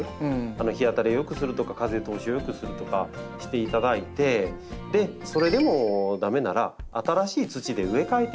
日当たりを良くするとか風通しを良くするとかしていただいてそれでも駄目なら新しい土で植え替えていただくのがベストなんです。